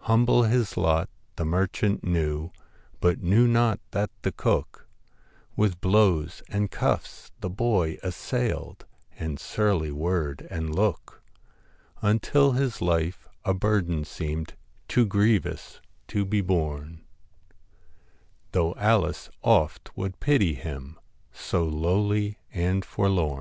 Humble his lot the merchant knew, But knew not that the cook With blows and cuffs the boy assailed, And surly word and look, Until his life a burden seemed, Too grievous to be borne, 126 Though Alice oft would pity him, WHIT So lowly and forlorn.